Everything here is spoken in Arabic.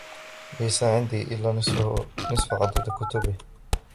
ليس عندي إلا نصف عدد كتبه.